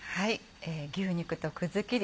牛肉とくずきり。